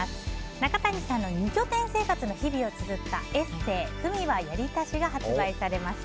中谷さんの二拠点生活の日々をつづったエッセー「文はやりたし」が発売されました。